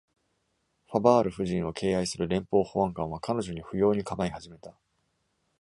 ファヴァール夫人を敬愛する連邦保安官は、彼女に不要にかまいはじめた。